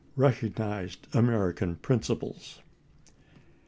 recognized American principles."